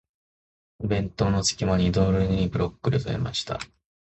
お弁当の隙間に、彩りの良いブロッコリーを詰めました。